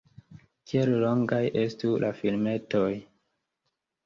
Kiel longaj estu la filmetoj?